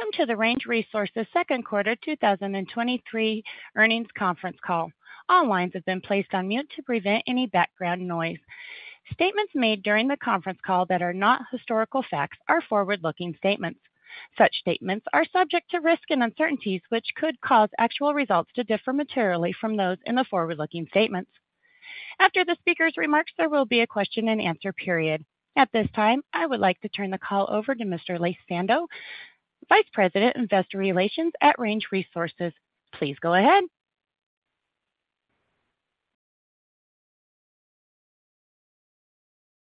Welcome to the Range Resources second quarter 2023 earnings conference call. All lines have been placed on mute to prevent any background noise. Statements made during the conference call that are not historical facts are forward-looking statements. Such statements are subject to risks and uncertainties, which could cause actual results to differ materially from those in the forward-looking statements. After the speaker's remarks, there will be a question-and-answer period. At this time, I would like to turn the call over to Mr. Laith Sando, Vice President, Investor Relations at Range Resources. Please go ahead.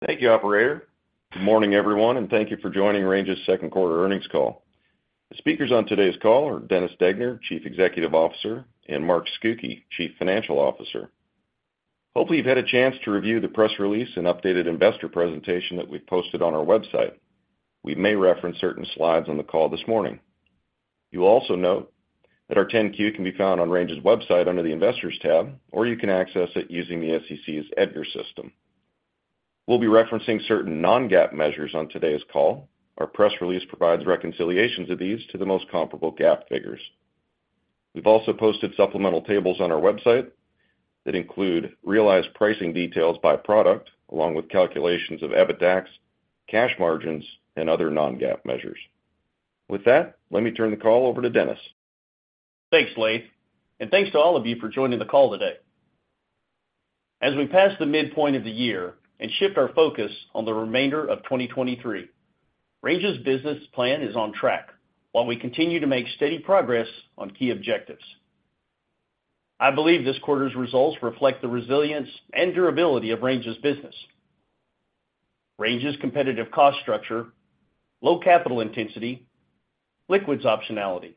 Thank you, operator. Good morning, everyone. Thank you for joining Range's second quarter earnings call. The speakers on today's call are Dennis Degner, Chief Executive Officer, and Mark Scucchi, Chief Financial Officer. Hopefully, you've had a chance to review the press release and updated investor presentation that we've posted on our website. We may reference certain slides on the call this morning. You will also note that our 10-Q can be found on Range's website under the Investors tab, or you can access it using the SEC's EDGAR system. We'll be referencing certain non-GAAP measures on today's call. Our press release provides reconciliations of these to the most comparable GAAP figures. We've also posted supplemental tables on our website that include realized pricing details by product, along with calculations of EBITDAX, cash margins, and other non-GAAP measures. With that, let me turn the call over to Dennis. Thanks, Laith, thanks to all of you for joining the call today. As we pass the midpoint of the year and shift our focus on the remainder of 2023, Range's business plan is on track, while we continue to make steady progress on key objectives. I believe this quarter's results reflect the resilience and durability of Range's business. Range's competitive cost structure, low capital intensity, liquids optionality,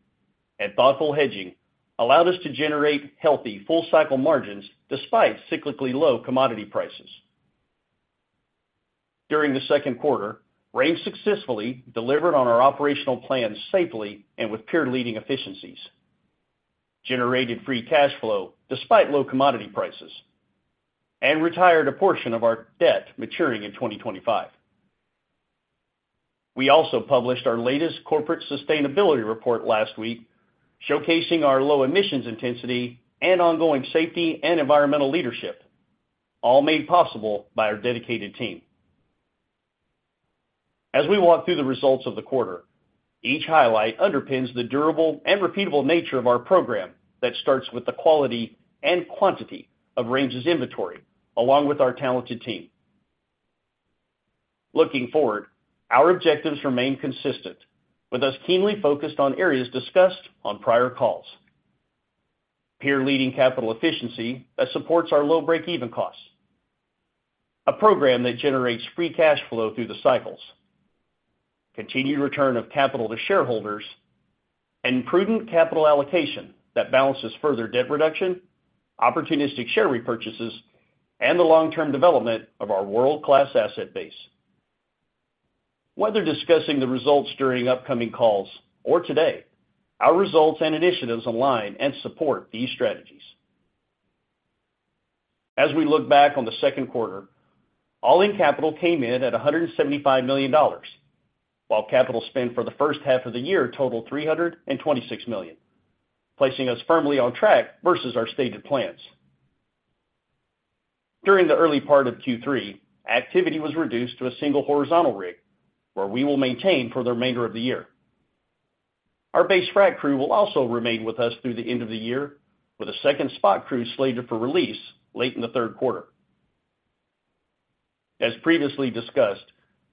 and thoughtful hedging allowed us to generate healthy, full cycle margins despite cyclically low commodity prices. During the second quarter, Range successfully delivered on our operational plan safely and with peer-leading efficiencies, generated free cash flow despite low commodity prices, and retired a portion of our debt maturing in 2025. We also published our latest Corporate Sustainability Report last week, showcasing our low emissions intensity and ongoing safety and environmental leadership, all made possible by our dedicated team. As we walk through the results of the quarter, each highlight underpins the durable and repeatable nature of our program that starts with the quality and quantity of Range's inventory, along with our talented team. Looking forward, our objectives remain consistent, with us keenly focused on areas discussed on prior calls. Peer-leading capital efficiency that supports our low break-even costs, a program that generates free cash flow through the cycles, continued return of capital to shareholders, and prudent capital allocation that balances further debt reduction, opportunistic share repurchases, and the long-term development of our world-class asset base. Whether discussing the results during upcoming calls or today, our results and initiatives align and support these strategies. As we look back on the second quarter, all-in capital came in at $175 million, while capital spend for the first half of the year totaled $326 million, placing us firmly on track versus our stated plans. During the early part of Q3, activity was reduced to a single horizontal rig, where we will maintain for the remainder of the year. Our base frac crew will also remain with us through the end of the year, with a second spot crew slated for release late in the third quarter. As previously discussed,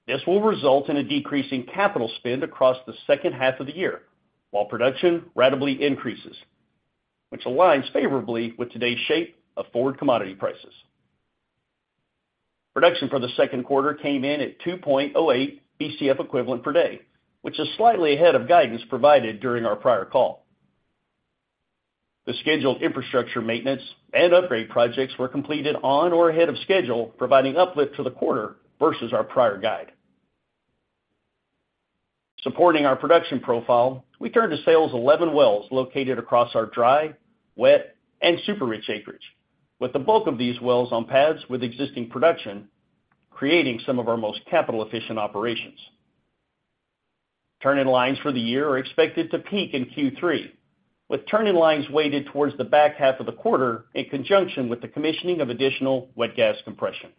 this will result in a decrease in capital spend across the second half of the year, while production ratably increases, which aligns favorably with today's shape of forward commodity prices. Production for the second quarter came in at 2.08 Bcfe/d, which is slightly ahead of guidance provided during our prior call. The scheduled infrastructure maintenance and upgrade projects were completed on or ahead of schedule, providing uplift to the quarter versus our prior guide. Supporting our production profile, we turned to sales 11 wells located across our dry, wet, and super rich acreage, with the bulk of these wells on pads with existing production, creating some of our most capital-efficient operations. turn-in-lines for the year are expected to peak in Q3, with turn-in-lines weighted towards the back half of the quarter, in conjunction with the commissioning of additional wet gas compression.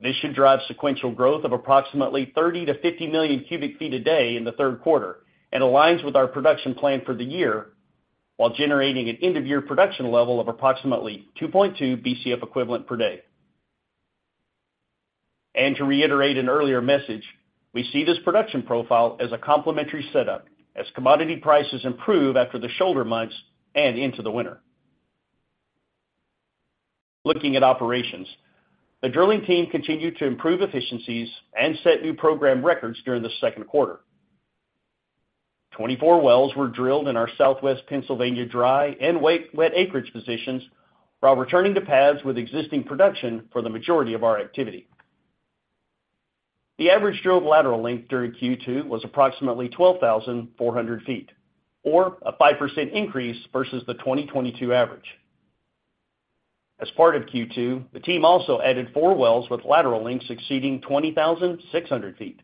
This should drive sequential growth of approximately 30 MMcf/d-50 MMcf/d in the third quarter and aligns with our production plan for the year, while generating an end-of-year production level of approximately 2.2 Bcfe/d. To reiterate an earlier message, we see this production profile as a complementary setup as commodity prices improve after the shoulder months and into the winter. Looking at operations, the drilling team continued to improve efficiencies and set new program records during the second quarter. 24 wells were drilled in our Southwest Pennsylvania, dry and wet acreage positions, while returning to pads with existing production for the majority of our activity. The average drilled lateral length during Q2 was approximately 12,400 feet, or a 5% increase versus the 2022 average. As part of Q2, the team also added four wells with lateral lengths exceeding 20,600 feet.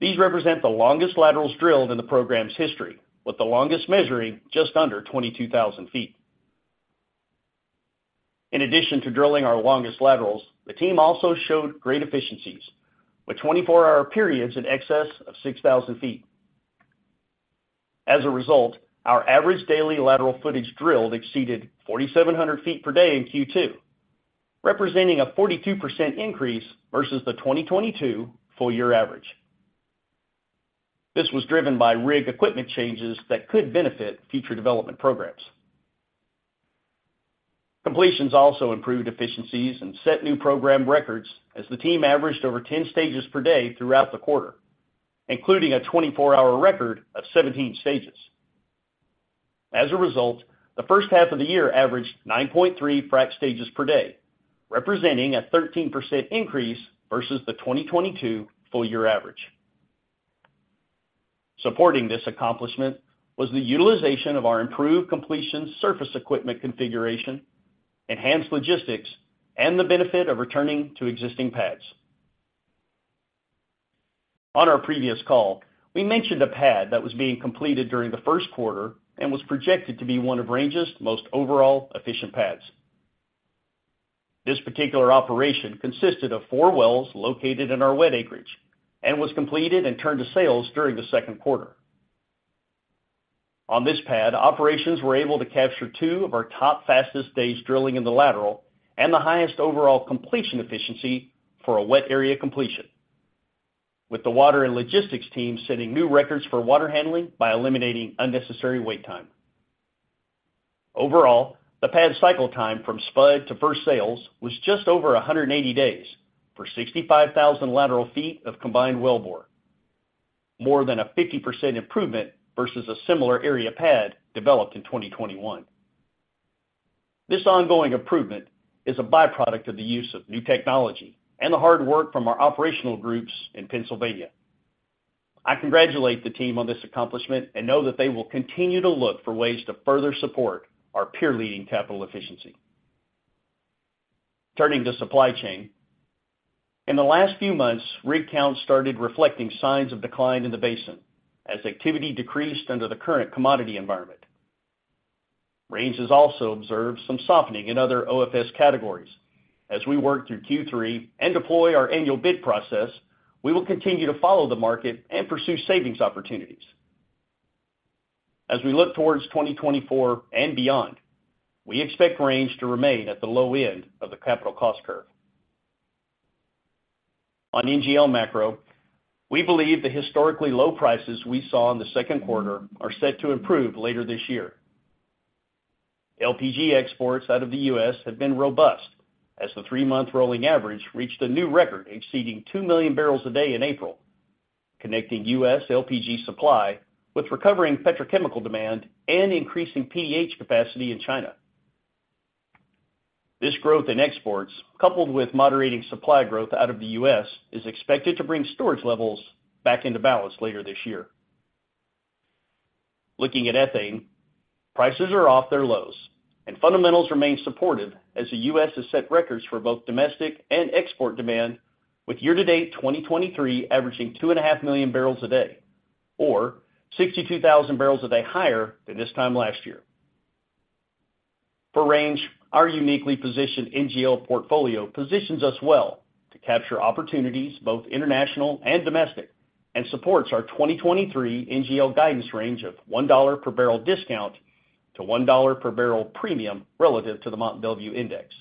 These represent the longest laterals drilled in the program's history, with the longest measuring just under 22,000 feet. In addition to drilling our longest laterals, the team also showed great efficiencies, with 24-hour periods in excess of 6,000 feet. As a result, our average daily lateral footage drilled exceeded 4,700 feet per day in Q2, representing a 42% increase versus the 2022 full year average. This was driven by rig equipment changes that could benefit future development programs. Completions also improved efficiencies and set new program records as the team averaged over 10 frac stages per day throughout the quarter, including a 24-hour record of 17 stages. As a result, the first half of the year averaged 9.3 frac stages per day, representing a 13% increase versus the 2022 full year average. Supporting this accomplishment was the utilization of our improved completion surface equipment configuration, enhanced logistics, and the benefit of returning to existing pads. On our previous call, we mentioned a pad that was being completed during the first quarter and was projected to be one of Range's most overall efficient pads. This particular operation consisted of four wells located in our wet acreage and was completed and turned to sales during the second quarter. On this pad, operations were able to capture two of our top fastest days drilling in the lateral and the highest overall completion efficiency for a wet area completion, with the water and logistics team setting new records for water handling by eliminating unnecessary wait time. Overall, the pad cycle time from spud to first sales was just over 180 days for 65,000 lateral feet of combined wellbore, more than a 50% improvement versus a similar area pad developed in 2021. This ongoing improvement is a byproduct of the use of new technology and the hard work from our operational groups in Pennsylvania. I congratulate the team on this accomplishment and know that they will continue to look for ways to further support our peer-leading capital efficiency. Turning to supply chain. In the last few months, rig counts started reflecting signs of decline in the basin as activity decreased under the current commodity environment. Range has also observed some softening in other OFS categories. As we work through Q3 and deploy our annual bid process, we will continue to follow the market and pursue savings opportunities. As we look towards 2024 and beyond, we expect Range to remain at the low end of the capital cost curve. On NGL macro, we believe the historically low prices we saw in the second quarter are set to improve later this year. LPG exports out of the U.S. have been robust, as the three-month rolling average reached a new record exceeding 2 million barrels a day in April, connecting U.S. LPG supply with recovering petrochemical demand and increasing PDH capacity in China. This growth in exports, coupled with moderating supply growth out of the U.S., is expected to bring storage levels back into balance later this year. Looking at ethane, prices are off their lows, and fundamentals remain supportive as the U.S. has set records for both domestic and export demand, with year-to-date 2023 averaging 2.5 million barrels a day, or 62,000 barrels a day higher than this time last year. For Range, our uniquely positioned NGL portfolio positions us well to capture opportunities, both international and domestic, and supports our 2023 NGL guidance range of $1 per barrel discount to $1 per barrel premium relative to the Mont Belvieu Index.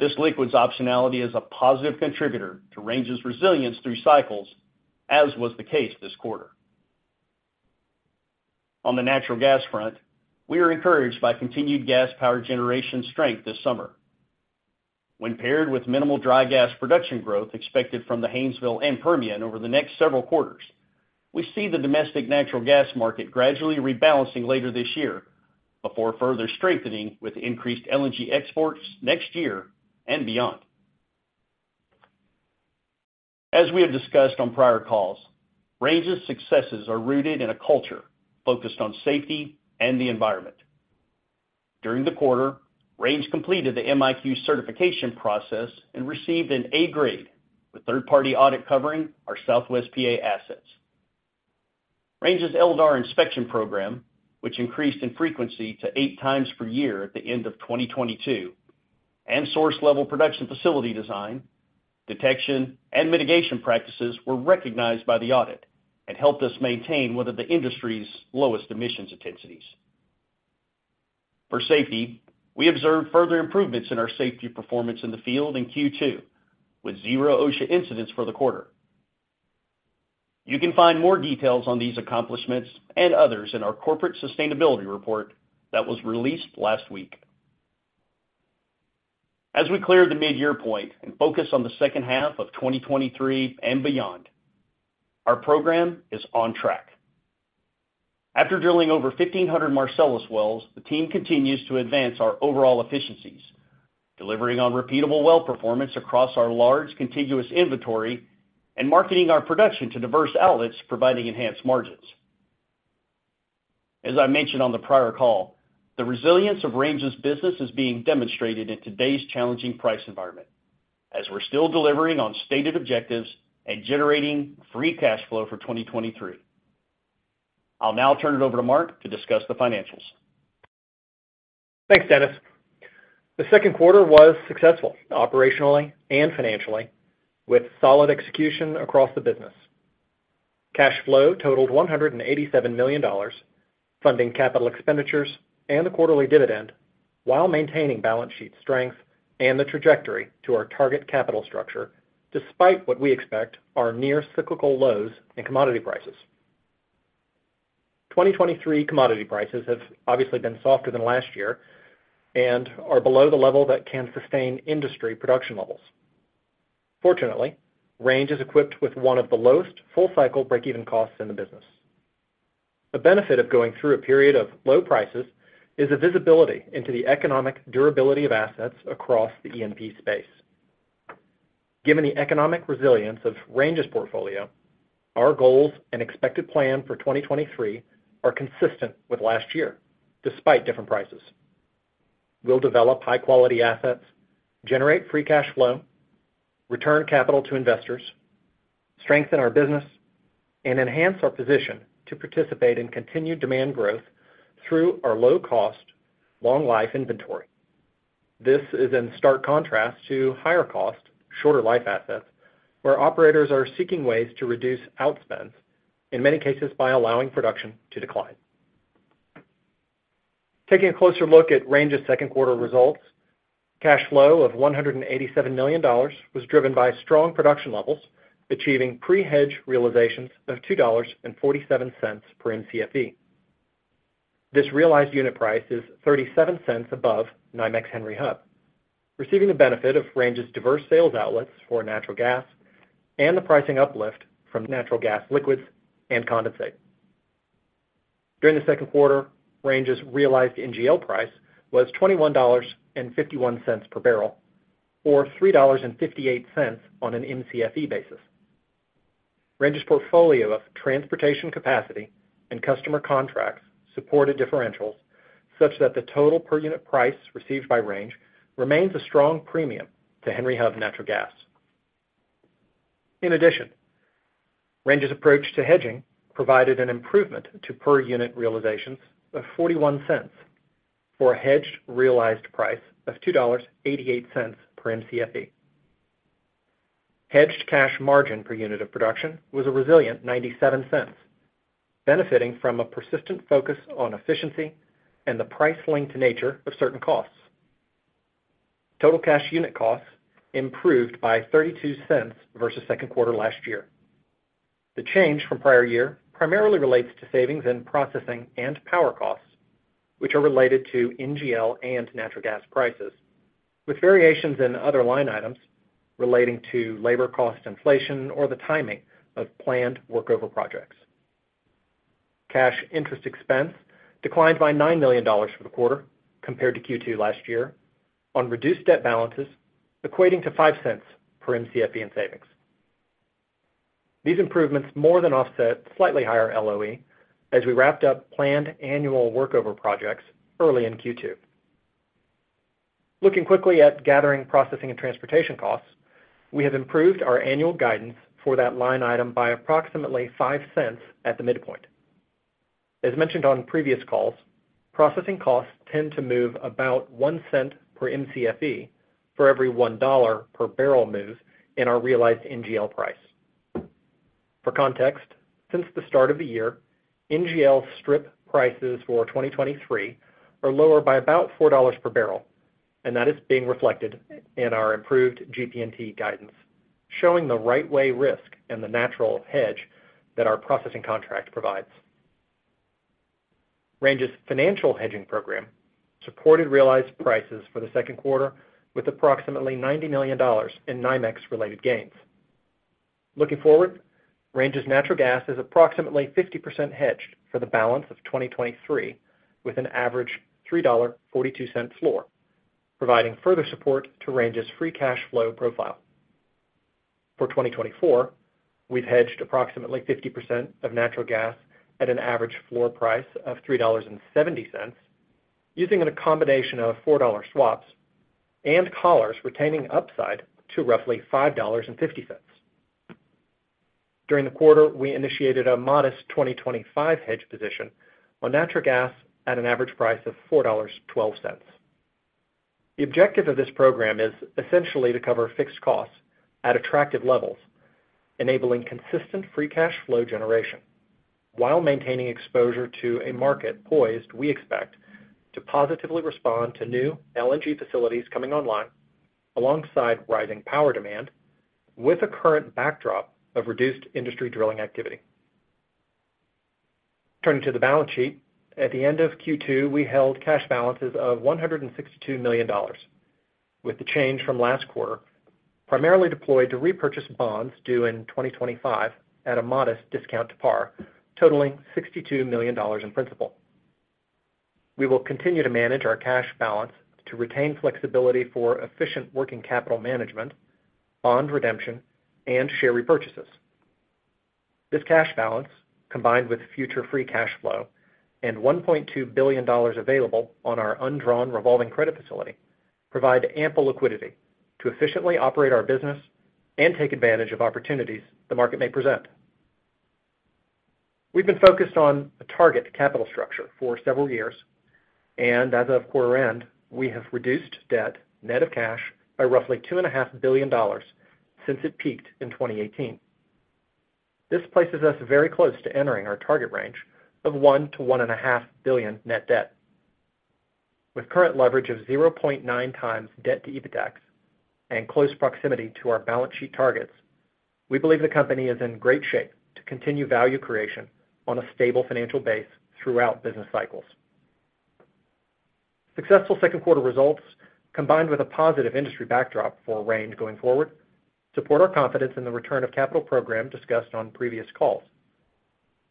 This liquids optionality is a positive contributor to Range's resilience through cycles, as was the case this quarter. On the natural gas front, we are encouraged by continued gas power generation strength this summer. When paired with minimal dry gas production growth expected from the Haynesville and Permian over the next several quarters, we see the domestic natural gas market gradually rebalancing later this year before further strengthening with increased LNG exports next year and beyond. As we have discussed on prior calls, Range's successes are rooted in a culture focused on safety and the environment. During the quarter, Range completed the MiQ certification process and received an A grade with third-party audit covering our Southwest PA assets. Range's LDAR inspection program, which increased in frequency to eight times per year at the end of 2022, and source-level production facility design, detection, and mitigation practices were recognized by the audit and helped us maintain one of the industry's lowest emissions intensities. For safety, we observed further improvements in our safety performance in the field in Q2, with zero OSHA incidents for the quarter. You can find more details on these accomplishments and others in our Corporate Sustainability Report that was released last week. As we clear the mid-year point and focus on the second half of 2023 and beyond, our program is on track. After drilling over 1,500 Marcellus wells, the team continues to advance our overall efficiencies. Delivering on repeatable well performance across our large contiguous inventory and marketing our production to diverse outlets, providing enhanced margins. As I mentioned on the prior call, the resilience of Range's business is being demonstrated in today's challenging price environment, as we're still delivering on stated objectives and generating free cash flow for 2023. I'll now turn it over to Mark to discuss the financials. Thanks, Dennis. The second quarter was successful operationally and financially, with solid execution across the business. Cash flow totaled $187 million, funding capital expenditures and the quarterly dividend, while maintaining balance sheet strength and the trajectory to our target capital structure, despite what we expect are near cyclical lows in commodity prices. 2023 commodity prices have obviously been softer than last year and are below the level that can sustain industry production levels. Fortunately, Range is equipped with one of the lowest full-cycle breakeven costs in the business. The benefit of going through a period of low prices is a visibility into the economic durability of assets across the E&P space. Given the economic resilience of Range's portfolio, our goals and expected plan for 2023 are consistent with last year, despite different prices. We'll develop high-quality assets, generate free cash flow, return capital to investors, strengthen our business, and enhance our position to participate in continued demand growth through our low-cost, long-life inventory. This is in stark contrast to higher cost, shorter life assets, where operators are seeking ways to reduce outspend, in many cases by allowing production to decline. Taking a closer look at Range's second quarter results, cash flow of $187 million was driven by strong production levels, achieving pre-hedge realizations of $2.47 per Mcfe. This realized unit price is $0.37 above NYMEX Henry Hub, receiving the benefit of Range's diverse sales outlets for natural gas and the pricing uplift from natural gas liquids and condensate. During the second quarter, Range's realized NGL price was $21.51 per barrel, or $3.58 on an Mcfe basis. Range's portfolio of transportation capacity and customer contracts supported differentials such that the total per unit price received by Range remains a strong premium to Henry Hub natural gas. Range's approach to hedging provided an improvement to per unit realizations of $0.41 for a hedged realized price of $2.88 per Mcfe. Hedged cash margin per unit of production was a resilient $0.97, benefiting from a persistent focus on efficiency and the price-linked nature of certain costs. Total cash unit costs improved by $0.32 versus second quarter last year. The change from prior year primarily relates to savings in processing and power costs, which are related to NGL and natural gas prices, with variations in other line items relating to labor cost inflation or the timing of planned workover projects. Cash interest expense declined by $9 million for the quarter compared to Q2 last year on reduced debt balances, equating to $0.05 per Mcfe in savings. These improvements more than offset slightly higher LOE as we wrapped up planned annual workover projects early in Q2. Looking quickly at gathering, processing, and transportation costs, we have improved our annual guidance for that line item by approximately $0.05 at the midpoint. As mentioned on previous calls, processing costs tend to move about $0.01 per Mcfe for every $1 per barrel move in our realized NGL price. For context, since the start of the year, NGL strip prices for 2023 are lower by about $4 per barrel, and that is being reflected in our improved GP&T guidance, showing the right-way risk and the natural hedge that our processing contract provides. Range's financial hedging program supported realized prices for the second quarter with approximately $90 million in NYMEX-related gains. Looking forward, Range's natural gas is approximately 50% hedged for the balance of 2023, with an average $3.42 floor, providing further support to Range's free cash flow profile. For 2024, we've hedged approximately 50% of natural gas at an average floor price of $3.70, using a combination of $4 swaps and collars, retaining upside to roughly $5.50. During the quarter, we initiated a modest 2025 hedge position on natural gas at an average price of $4.12. The objective of this program is essentially to cover fixed costs at attractive levels, enabling consistent free cash flow generation while maintaining exposure to a market poised, we expect, to positively respond to new LNG facilities coming online alongside rising power demand, with a current backdrop of reduced industry drilling activity. Turning to the balance sheet. At the end of Q2, we held cash balances of $162 million, with the change from last quarter primarily deployed to repurchase bonds due in 2025 at a modest discount to par, totaling $62 million in principal. We will continue to manage our cash balance to retain flexibility for efficient working capital management, bond redemption, and share repurchases. This cash balance, combined with future free cash flow and $1.2 billion available on our undrawn revolving credit facility, provide ample liquidity to efficiently operate our business and take advantage of opportunities the market may present. We've been focused on a target capital structure for several years, and as of quarter end, we have reduced debt net of cash by roughly $2.5 billion since it peaked in 2018. This places us very close to entering our target range of $1 billion-$1.5 billion net debt. With current leverage of 0.9 times debt to EBITDA and close proximity to our balance sheet targets, we believe the company is in great shape to continue value creation on a stable financial base throughout business cycles. Successful second quarter results, combined with a positive industry backdrop for Range going forward, support our confidence in the return of capital program discussed on previous calls.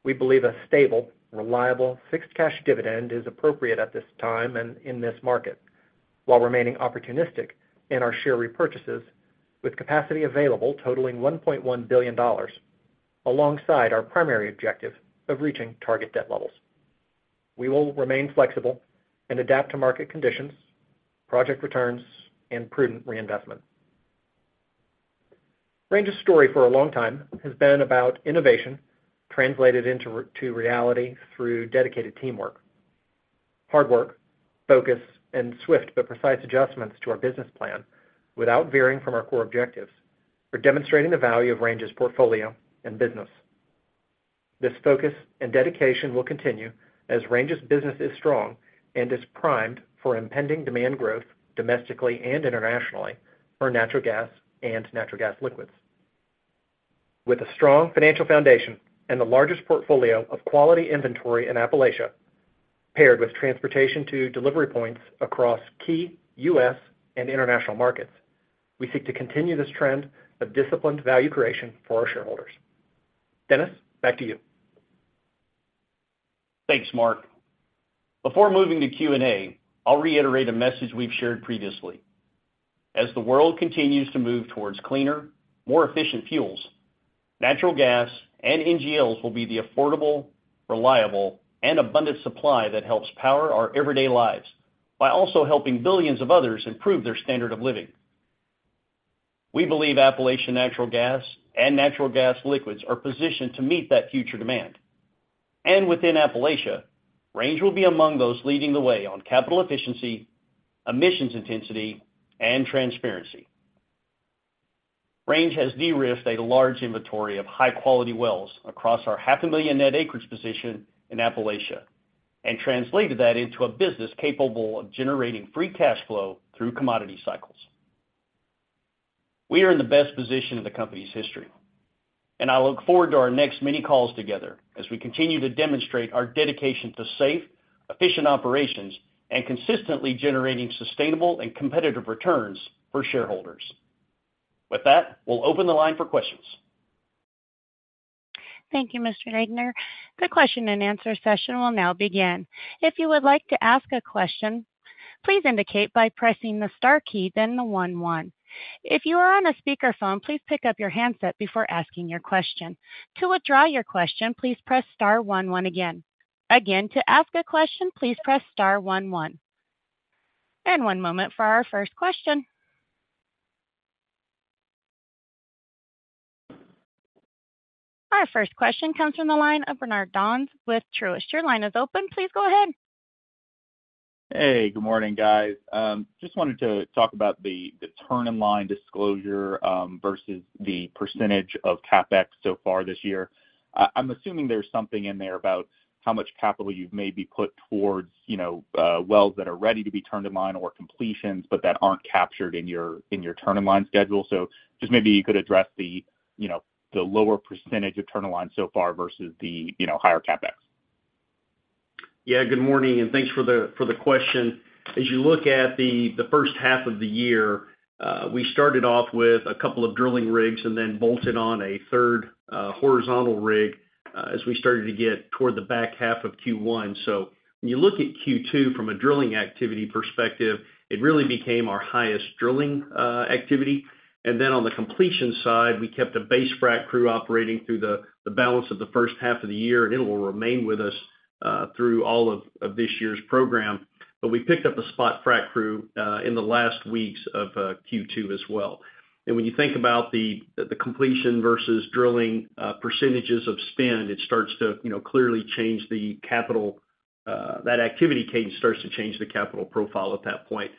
We believe a stable, reliable, fixed cash dividend is appropriate at this time and in this market, while remaining opportunistic in our share repurchases, with capacity available totaling $1.1 billion, alongside our primary objective of reaching target debt levels. We will remain flexible and adapt to market conditions, project returns, and prudent reinvestment. Range's story for a long time has been about innovation translated into to reality through dedicated teamwork. Hard work, focus, and swift but precise adjustments to our business plan without veering from our core objectives are demonstrating the value of Range's portfolio and business. This focus and dedication will continue as Range's business is strong and is primed for impending demand growth domestically and internationally for natural gas and natural gas liquids. With a strong financial foundation and the largest portfolio of quality inventory in Appalachia, paired with transportation to delivery points across key U.S. and international markets, we seek to continue this trend of disciplined value creation for our shareholders. Dennis, back to you. Thanks, Mark. Before moving to Q&A, I'll reiterate a message we've shared previously. As the world continues to move towards cleaner, more efficient fuels, natural gas and NGLs will be the affordable, reliable, and abundant supply that helps power our everyday lives, while also helping billions of others improve their standard of living. We believe Appalachian natural gas and natural gas liquids are positioned to meet that future demand. Within Appalachia, Range will be among those leading the way on capital efficiency, emissions intensity, and transparency. Range has derisked a large inventory of high-quality wells across our half a million net acreage position in Appalachia and translated that into a business capable of generating free cash flow through commodity cycles. We are in the best position in the company's history. I look forward to our next many calls together as we continue to demonstrate our dedication to safe, efficient operations and consistently generating sustainable and competitive returns for shareholders. With that, we'll open the line for questions. Thank you, Mr. Degner. The question-and-answer session will now begin. If you would like to ask a question, please indicate by pressing the star key, then one one. If you are on a speakerphone, please pick up your handset before asking your question. To withdraw your question, please press star one one again. Again, to ask a question, please press star one one. One moment for our first question. Our first question comes from the line of Bertrand Donnes with Truist. Your line is open. Please go ahead. Hey, good morning, guys. just wanted to talk about the turn-in-line disclosure, versus the percentage of CapEx so far this year. I'm assuming there's something in there about how much capital you've maybe put towards, you know, wells that are ready to be turned in line or completions, but that aren't captured in your, in your turn-in-line schedule. just maybe you could address the, you know, the lower percentage of turn-in-line so far versus the, you know, higher CapEx. Good morning, for the question. As you look at the first half of the year, we started off with a couple of drilling rigs, then bolted on a third horizontal rig as we started to get toward the back half of Q1. When you look at Q2 from a drilling activity perspective, it really became our highest drilling activity. On the completion side, we kept a base frac crew operating through the balance of the first half of the year, and it will remain with us through all of this year's program. We picked up a spot frac crew in the last weeks of Q2 as well. When you think about the completion versus drilling percentages of spend, it starts to, you know, clearly change the capital, that activity case starts to change the capital profile at that point.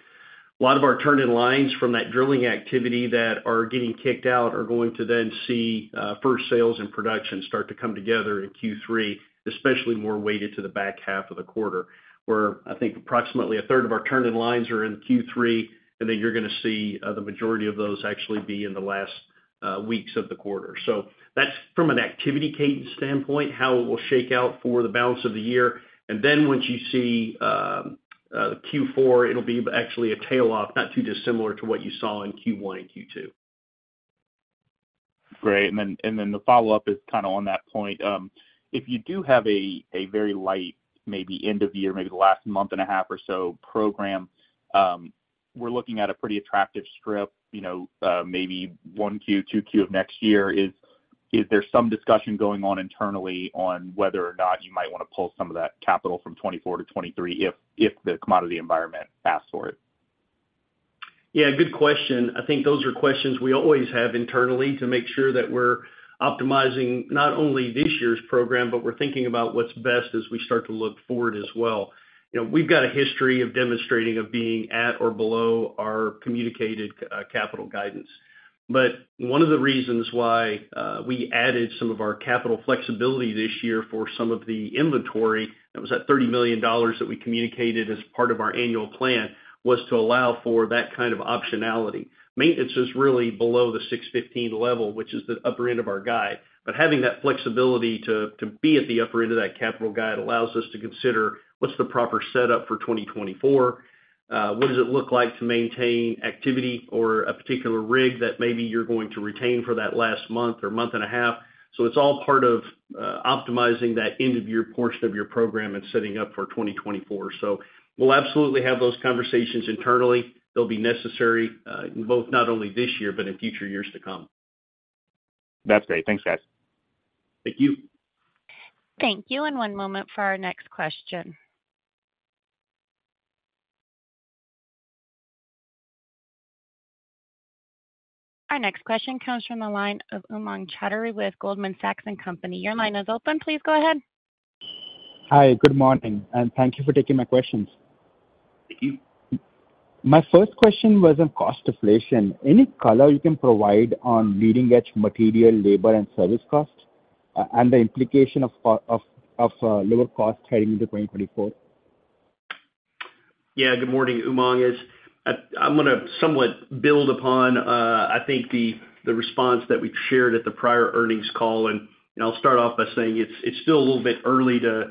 A lot of our turn-in-lines from that drilling activity that are getting kicked out are going to then see first sales and production start to come together in Q3, especially more weighted to the back half of the quarter, where I think approximately a third of our turn-in-lines are in Q3, and then you're gonna see the majority of those actually be in the last weeks of the quarter. That's from an activity cadence standpoint, how it will shake out for the balance of the year. Once you see Q4, it'll be actually a tail off, not too dissimilar to what you saw in Q1 and Q2. Great. Then the follow-up is kind of on that point. If you do have a very light, maybe end of year, maybe the last month and a half or so program, we're looking at a pretty attractive strip, you know, maybe Q1, Q2 of 2024. Is there some discussion going on internally on whether or not you might want to pull some of that capital from 2024 to 2023, if the commodity environment asks for it? Yeah, good question. I think those are questions we always have internally to make sure that we're optimizing not only this year's program, but we're thinking about what's best as we start to look forward as well. You know, we've got a history of demonstrating, of being at or below our communicated capital guidance. One of the reasons why we added some of our capital flexibility this year for some of the inventory, that was that $30 million that we communicated as part of our annual plan, was to allow for that kind of optionality. Maintenance is really below the $615 million level, which is the upper end of our guide. Having that flexibility to be at the upper end of that capital guide allows us to consider what's the proper setup for 2024, what does it look like to maintain activity or a particular rig that maybe you're going to retain for that last month or month and a half? It's all part of optimizing that end of year portion of your program and setting up for 2024. We'll absolutely have those conversations internally. They'll be necessary, both not only this year, but in future years to come. That's great. Thanks, guys. Thank you. Thank you. One moment for our next question. Our next question comes from the line of Umang Choudhary with Goldman Sachs and Company. Your line is open. Please go ahead. Hi, good morning, and thank you for taking my questions. Thank you. My first question was on cost deflation. Any color you can provide on leading-edge material, labor, and service costs, and the implication of lower costs heading into 2024? Good morning, Umang. I'm gonna somewhat build upon, I think the response that we've shared at the prior earnings call. You know, I'll start off by saying it's still a little bit early to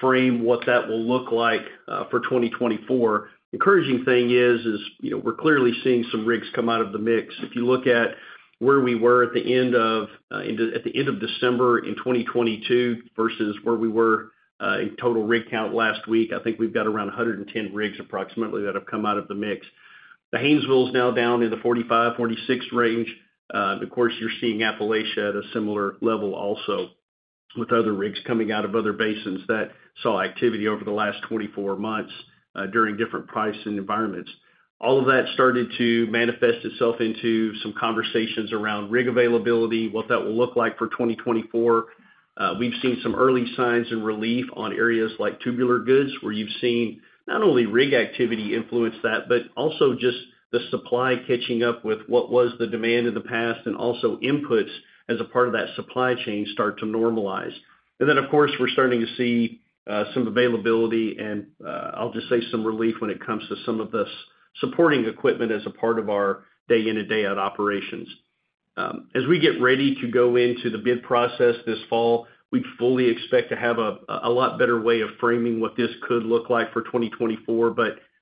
frame what that will look like for 2024. Encouraging thing is, you know, we're clearly seeing some rigs come out of the mix. If you look at where we were at the end of December in 2022 versus where we were in total rig count last week, I think we've got around 110 rigs approximately that have come out of the mix. The Haynesville is now down in the 45-46 rigs. Of course, you're seeing Appalachia at a similar level also, with other rigs coming out of other basins that saw activity over the last 24 months during different pricing environments. All of that started to manifest itself into some conversations around rig availability, what that will look like for 2024. We've seen some early signs and relief on areas like tubular goods, where you've seen not only rig activity influence that, but also just the supply catching up with what was the demand in the past, and also inputs as a part of that supply chain start to normalize. Of course, we're starting to see some availability and, I'll just say some relief when it comes to some of the supporting equipment as a part of our day in and day out operations. As we get ready to go into the bid process this fall, we fully expect to have a lot better way of framing what this could look like for 2024.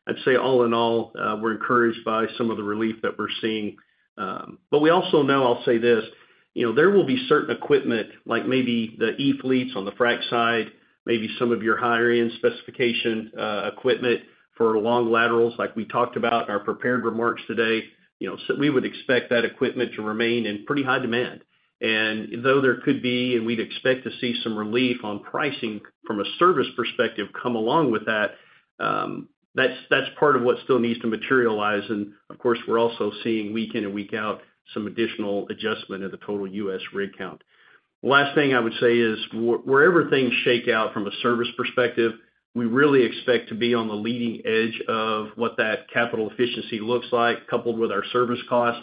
I'd say, all in all, we're encouraged by some of the relief that we're seeing. We also know I'll say this: You know, there will be certain equipment, like maybe the e-fleets on the frac side, maybe some of your higher-end specification, equipment for long laterals, like we talked about in our prepared remarks today. You know, we would expect that equipment to remain in pretty high demand. Though there could be, and we'd expect to see some relief on pricing from a service perspective come along with that's part of what still needs to materialize. Of course, we're also seeing week in and week out some additional adjustment of the total U.S. rig count. Last thing I would say is, wherever things shake out from a service perspective, we really expect to be on the leading edge of what that capital efficiency looks like, coupled with our service costs.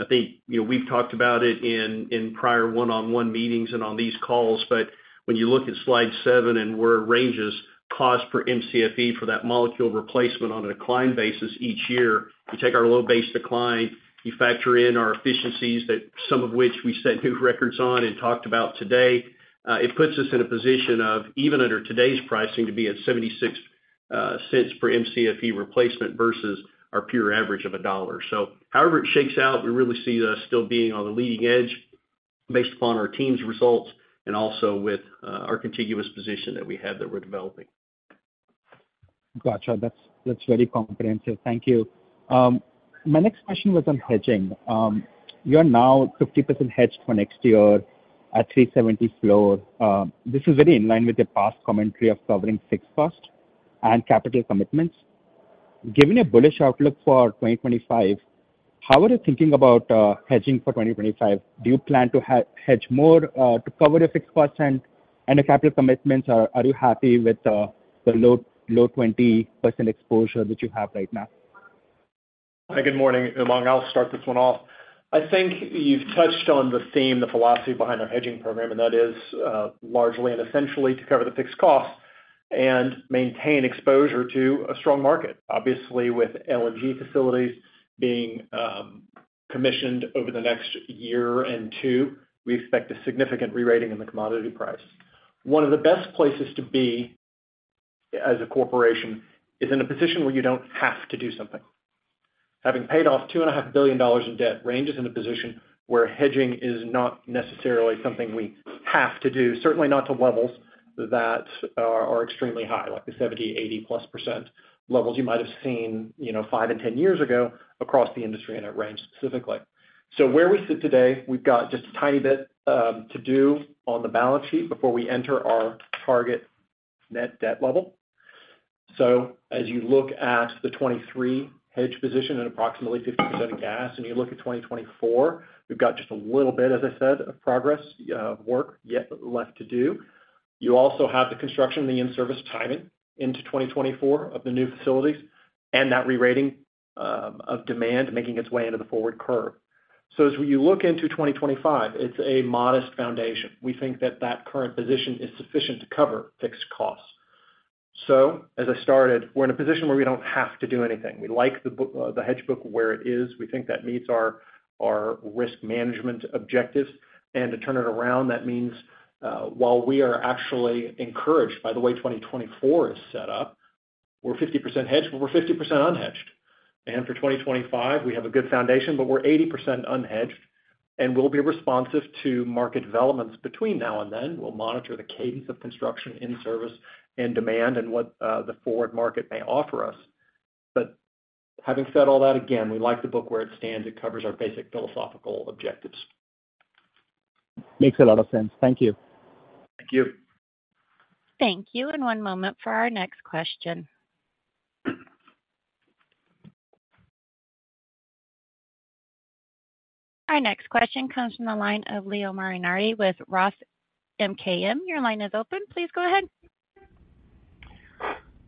I think, you know, we've talked about it in prior one-on-one meetings and on these calls, but when you look at slide seven and where it Range's, cost per Mcfe for that molecule replacement on a decline basis each year, you take our low base decline, you factor in our efficiencies that some of which we set new records on and talked about today. It puts us in a position of, even under today's pricing, to be at $0.76 per Mcfe replacement versus our pure average of $1 per Mcfe. However it shakes out, we really see us still being on the leading edge based upon our team's results and also with our contiguous position that we have, that we're developing. Gotcha. That's very comprehensive. Thank you. My next question was on hedging. You are now 50% hedged for next year at $3.70 per Mcfe floor. This is very in line with the past commentary of covering fixed cost and capital commitments. Given a bullish outlook for 2025, how are you thinking about hedging for 2025? Do you plan to hedge more to cover your fixed cost and the capital commitments, or are you happy with the low, low 20% exposure that you have right now? Hi, good morning, Umang. I'll start this one off. I think you've touched on the theme, the philosophy behind our hedging program, and that is largely and essentially to cover the fixed costs and maintain exposure to a strong market. Obviously, with LNG facilities being commissioned over the next year and two, we expect a significant rerating in the commodity price. One of the best places to be as a corporation is in a position where you don't have to do something. Having paid off $2.5 billion in debt, Range is in a position where hedging is not necessarily something we have to do, certainly not to levels that are extremely high, like the 70%-80%+ levels you might have seen, you know, five and 10 years ago across the industry and at Range, specifically. Where we sit today, we've got just a tiny bit to do on the balance sheet before we enter our target net debt level. As you look at the 2023 hedge position at approximately 50% of gas, and you look at 2024, we've got just a little bit, as I said, of progress, work yet left to do. You also have the construction, the in-service timing into 2024 of the new facilities and that rerating of demand making its way into the forward curve. As you look into 2025, it's a modest foundation. We think that that current position is sufficient to cover fixed costs. As I started, we're in a position where we don't have to do anything. We like the hedge book where it is. We think that meets our risk management objectives. To turn it around, that means, while we are actually encouraged by the way 2024 is set up, we're 50% hedged, but we're 50% unhedged. For 2025, we have a good foundation, but we're 80% unhedged, and we'll be responsive to market developments between now and then. We'll monitor the cadence of construction in service and demand and what the forward market may offer us. Having said all that, again, we like the book where it stands. It covers our basic philosophical objectives. Makes a lot of sense. Thank you. Thank you. Thank you. One moment for our next question. Our next question comes from the line of Leo Mariani with Roth MKM. Your line is open. Please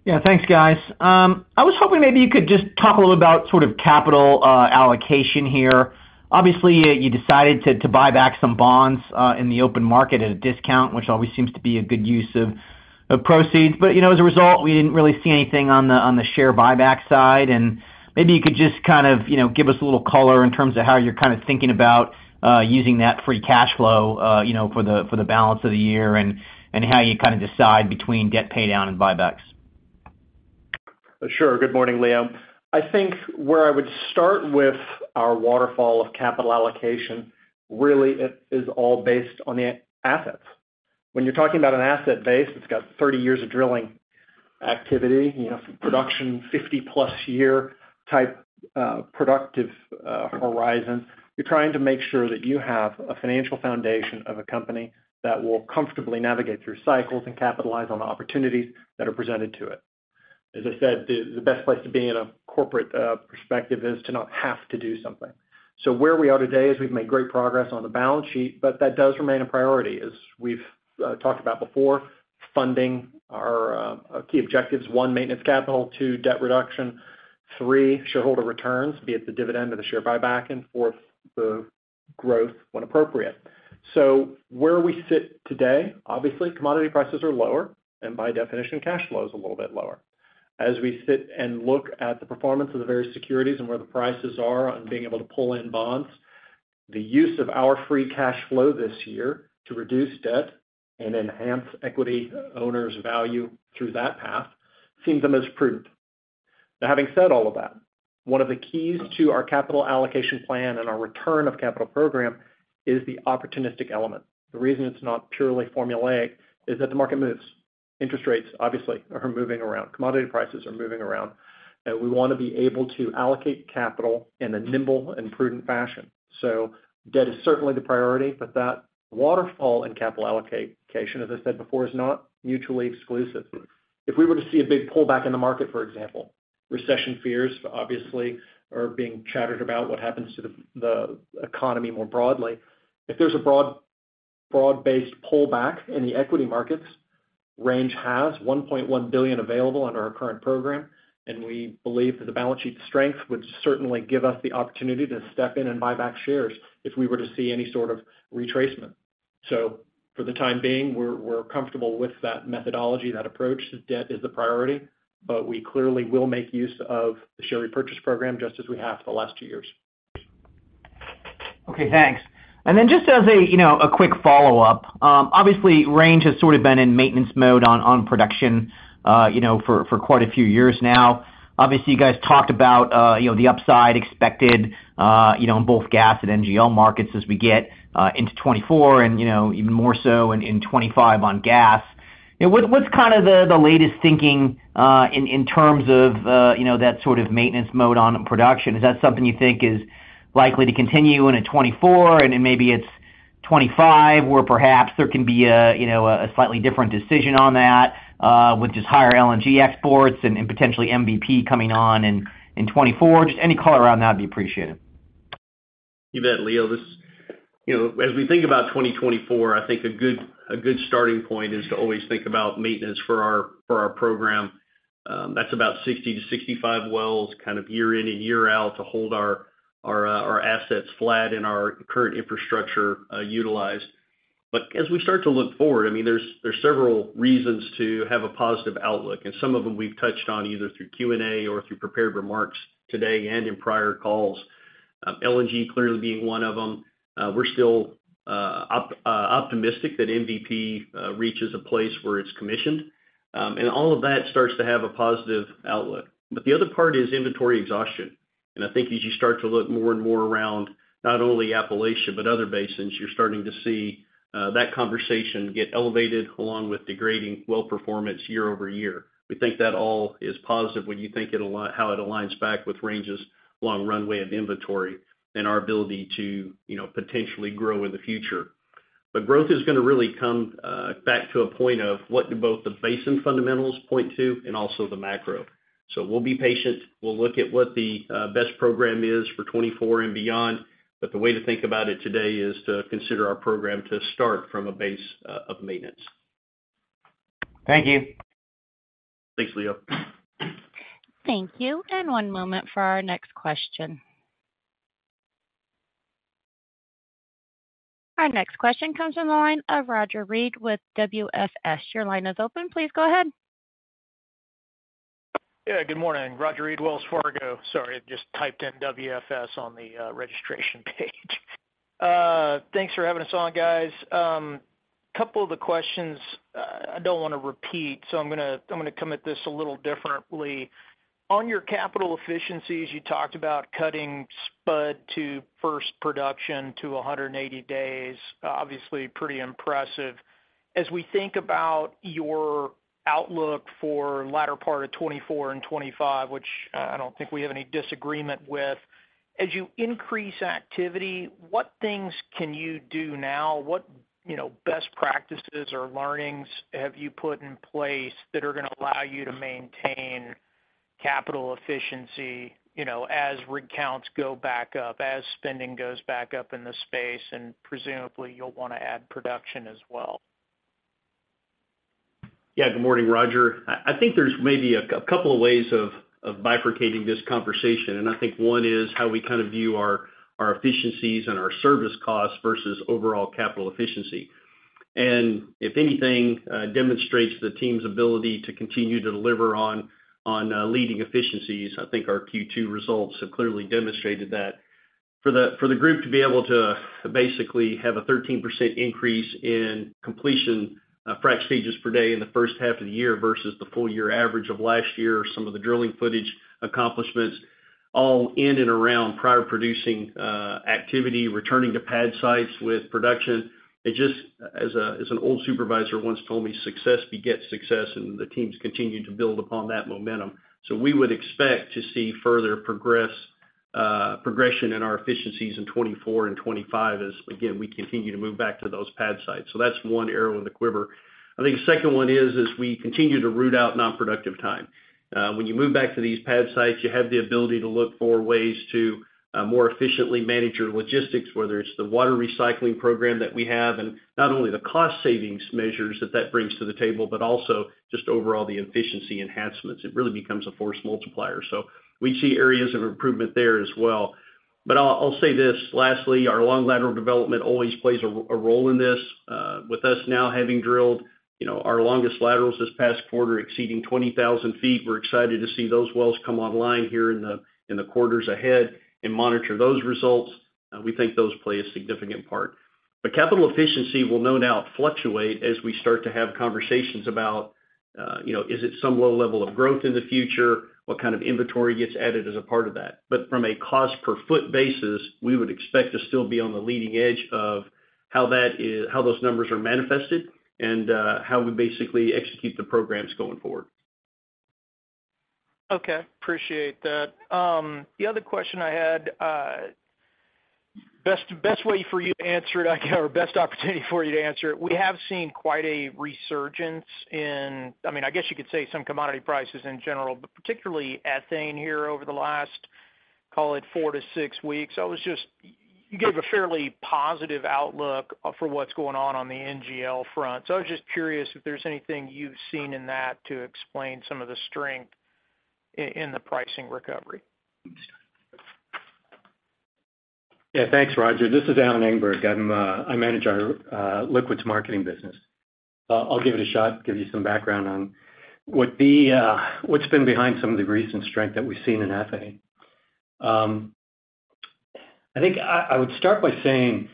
go ahead. Yeah, thanks, guys. I was hoping maybe you could just talk a little about sort of capital allocation here. Obviously, you decided to buy back some bonds in the open market at a discount, which always seems to be a good use of proceeds. You know, as a result, we didn't really see anything on the share buyback side. Maybe you could just kind of, you know, give us a little color in terms of how you're kind of thinking about using that free cash flow, you know, for the balance of the year, and how you kind of decide between debt paydown and buybacks. Sure. Good morning, Leo. I think where I would start with our waterfall of capital allocation, really it is all based on the assets. When you're talking about an asset base, it's got 30 years of drilling activity, you know, production, 50+ year type, productive horizon. You're trying to make sure that you have a financial foundation of a company that will comfortably navigate through cycles and capitalize on the opportunities that are presented to it. As I said, the best place to be in a corporate perspective is to not have to do something. Where we are today is we've made great progress on the balance sheet, but that does remain a priority. As we've talked about before, funding our key objectives: one, maintenance capital; two, debt reduction; three, shareholder returns, be it the dividend or the share buyback; and fourth, the growth when appropriate. Where we sit today, obviously, commodity prices are lower, and by definition, cash flow is a little bit lower. As we sit and look at the performance of the various securities and where the prices are on being able to pull in bonds, the use of our free cash flow this year to reduce debt and enhance equity owners' value through that path seems the most prudent. Having said all of that, one of the keys to our capital allocation plan and our return of capital program is the opportunistic element. The reason it's not purely formulaic is that the market moves. Interest rates, obviously, are moving around, commodity prices are moving around. We want to be able to allocate capital in a nimble and prudent fashion. Debt is certainly the priority, but that waterfall and capital allocation, as I said before, is not mutually exclusive. If we were to see a big pullback in the market, for example, recession fears obviously are being chattered about what happens to the economy more broadly. If there's a broad-based pullback in the equity markets, Range has $1.1 billion available under our current program, and we believe that the balance sheet strength would certainly give us the opportunity to step in and buy back shares if we were to see any sort of retracement. For the time being, we're comfortable with that methodology, that approach. Debt is the priority, but we clearly will make use of the share repurchase program, just as we have for the last two years. Okay, thanks. Just as a, you know, a quick follow-up. Obviously, Range has sort of been in maintenance mode on production, you know, for quite a few years now. Obviously, you guys talked about, you know, the upside expected, you know, in both gas and NGL markets as we get into 2024 and, you know, even more so in 2025 on gas. You know, what's kind of the latest thinking in terms of, you know, that sort of maintenance mode on production? Is that something you think is likely to continue into 2024, and then maybe it's 2025, or perhaps there can be a, you know, a slightly different decision on that with just higher LNG exports and potentially MVP coming on in 2024? Just any color around that would be appreciated. You bet, Leo. You know, as we think about 2024, I think a good starting point is to always think about maintenance for our program. That's about 60 to 65 wells, kind of year in and year out, to hold our assets flat and our current infrastructure utilized. As we start to look forward, I mean, there's several reasons to have a positive outlook, and some of them we've touched on, either through Q&A or through prepared remarks today and in prior calls. LNG clearly being one of them. We're still optimistic that MVP reaches a place where it's commissioned. All of that starts to have a positive outlook. The other part is inventory exhaustion, and I think as you start to look more and more around, not only Appalachia, but other basins, you're starting to see that conversation get elevated, along with degrading well performance year-over-year. We think that all is positive when you think it how it aligns back with Range's long runway of inventory and our ability to, you know, potentially grow in the future. Growth is gonna really come back to a point of what do both the basin fundamentals point to and also the macro. We'll be patient. We'll look at what the best program is for 2024 and beyond. The way to think about it today is to consider our program to start from a base of maintenance. Thank you. Thanks, Leo. Thank you, and one moment for our next question. Our next question comes from the line of Roger Read with WFS. Your line is open. Please go ahead. Yeah, good morning, Roger Read, Wells Fargo. Sorry, I just typed in WFS on the registration page. Thanks for having us on, guys. Couple of the questions, I don't wanna repeat, so I'm gonna come at this a little differently. On your capital efficiencies, you talked about cutting spud to first production to 180 days, obviously, pretty impressive. As we think about your outlook for latter part of 2024 and 2025, which, I don't think we have any disagreement with, as you increase activity, what things can you do now? What, you know, best practices or learnings have you put in place that are gonna allow you to maintain capital efficiency, you know, as rig counts go back up, as spending goes back up in the space, and presumably, you'll wanna add production as well? Good morning, Roger. I think there's maybe a couple of ways of bifurcating this conversation, and I think one is how we kind of view our efficiencies and our service costs versus overall capital efficiency. If anything demonstrates the team's ability to continue to deliver on leading efficiencies, I think our Q2 results have clearly demonstrated that. For the group to be able to basically have a 13% increase in completion frac stages per day in the first half of the year versus the full year average of 2022, or some of the drilling footage accomplishments, all in and around prior producing activity, returning to pad sites with production. As an old supervisor once told me, "Success begets success," and the teams continue to build upon that momentum. We would expect to see further progression in our efficiencies in 2024 and 2025 as, again, we continue to move back to those pad sites. That's one arrow in the quiver. I think the second one is, as we continue to root out non-productive time. When you move back to these pad sites, you have the ability to look for ways to more efficiently manage your logistics, whether it's the water recycling program that we have, and not only the cost savings measures that that brings to the table, but also just overall the efficiency enhancements. It really becomes a force multiplier. We see areas of improvement there as well. I'll say this, lastly, our long lateral development always plays a role in this. With us now having drilled, you know, our longest laterals this past quarter, exceeding 20,000 feet, we're excited to see those wells come online here in the, in the quarters ahead and monitor those results. We think those play a significant part. Capital efficiency will no doubt fluctuate as we start to have conversations about, you know, is it some low level of growth in the future? What kind of inventory gets added as a part of that? From a cost per foot basis, we would expect to still be on the leading edge of how those numbers are manifested and how we basically execute the programs going forward. Okay, appreciate that. The other question I had, best way for you to answer it, I guess, or best opportunity for you to answer it. We have seen quite a resurgence in commodity prices in general, but particularly ethane here over the last, call it, four to six weeks. You gave a fairly positive outlook for what's going on on the NGL front. I was just curious if there's anything you've seen in that to explain some of the strength in the pricing recovery? Yeah. Thanks, Roger. This is Alan Engberg. I manage our Liquids Marketing business. I'll give it a shot, give you some background on what's been behind some of the recent strength that we've seen in ethane. I think I would start by saying,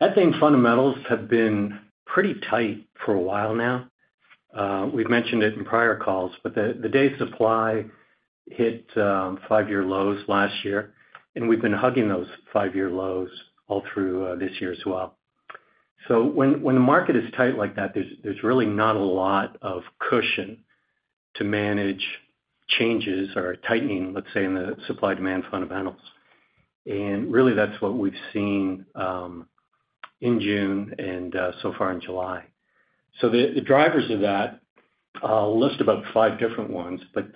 ethane fundamentals have been pretty tight for a while now. We've mentioned it in prior calls, but the day supply hit five-year lows last year, and we've been hugging those five-year lows all through this year as well. When the market is tight like that, there's really not a lot of cushion to manage changes or tightening, let's say, in the supply-demand fundamentals. And really, that's what we've seen in June and so far in July. The drivers of that, I'll list about five different ones, but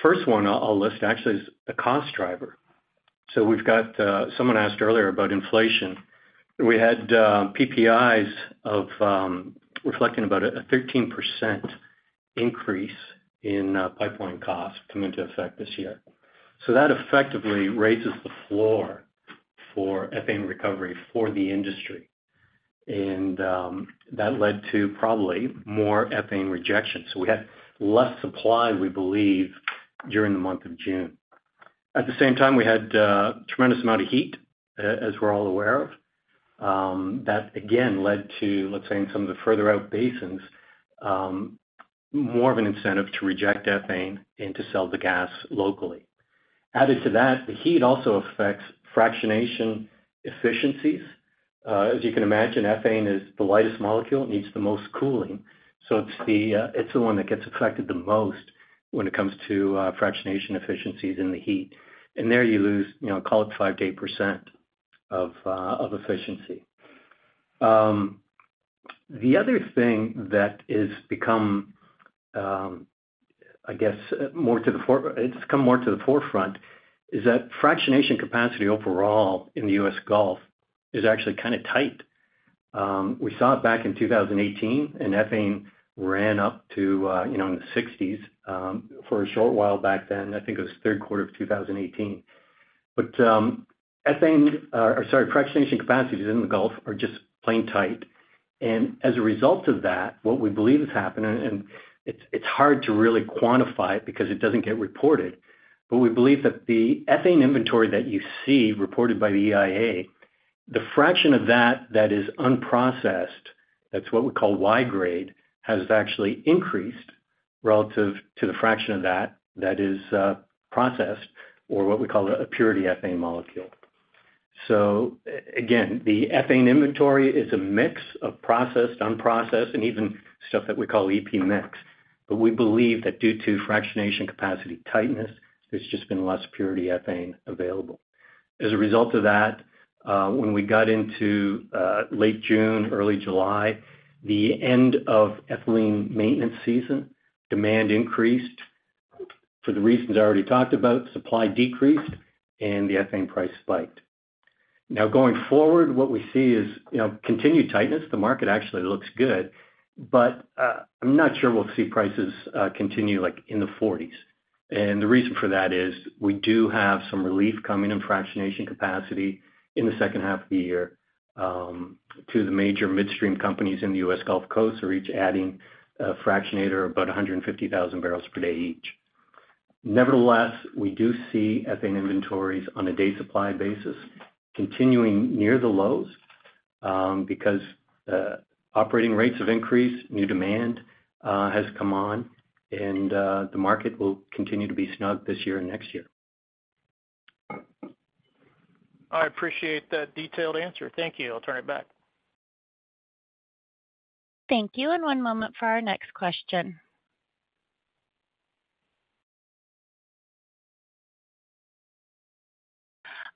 first one I'll list actually is a cost driver. We've got, someone asked earlier about inflation. We had PPIs of reflecting about a 13% increase in pipeline costs come into effect this year. That effectively raises the floor for ethane recovery for the industry. That led to probably more ethane rejections. We had less supply, we believe, during the month of June. At the same time, we had a tremendous amount of heat, as we're all aware of. That again, led to, let's say, in some of the further out basins, more of an incentive to reject ethane and to sell the gas locally. Added to that, the heat also affects fractionation efficiencies. As you can imagine, ethane is the lightest molecule, needs the most cooling, so it's the one that gets affected the most when it comes to fractionation efficiencies in the heat. There you lose, you know, call it 5%-8% of efficiency. The other thing that is become, I guess, more to the forefront, is that fractionation capacity overall in the U.S. Gulf is actually kind of tight. We saw it back in 2018, and ethane ran up to, you know, in the 60s, for a short while back then. I think it was third quarter of 2018. Ethane, or sorry, fractionation capacities in the Gulf are just plain tight. As a result of that, what we believe has happened, it's hard to really quantify it because it doesn't get reported, but we believe that the ethane inventory that you see reported by the EIA, the fraction of that is unprocessed, that's what we call Y-grade, has actually increased relative to the fraction of that is processed, or what we call a purity ethane molecule. Again, the ethane inventory is a mix of processed, unprocessed, and even stuff that we call EP mix. We believe that due to fractionation capacity tightness, there's just been less purity ethane available. As a result of that, when we got into late June, early July, the end of ethylene maintenance season, demand increased. For the reasons I already talked about, supply decreased and the ethane price spiked. Going forward, what we see is, you know, continued tightness. The market actually looks good, I'm not sure we'll see prices continue like in the $0.40 per gallon range. The reason for that is we do have some relief coming in fractionation capacity in the second half of the year, to the major midstream companies in the U.S. Gulf Coast are each adding a fractionator, about 150,000 barrels per day each. We do see ethane inventories on a day supply basis, continuing near the lows, because operating rates have increased, new demand has come on, and the market will continue to be snug this year and next year. I appreciate that detailed answer. Thank you. I'll turn it back. Thank you. One moment for our next question.